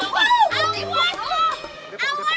malu tuh sama orang lain